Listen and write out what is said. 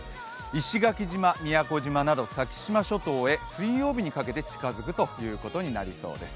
石垣島、宮古島など先島諸島へ水曜日にかけて近づくということになりそうです。